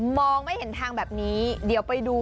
มองไม่เห็นทางแบบนี้เดี๋ยวไปดู